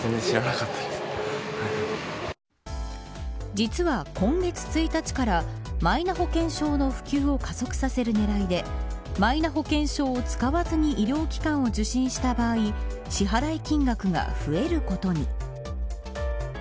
実は、今月１日からマイナ保険証の普及を加速させる狙いでマイナ保険証を使わずに医療機関を受診した場合支払い金額が増えることに。